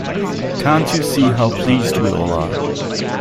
Can't you see how pleased we all are?